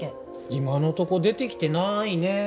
今のとこ出てきてないね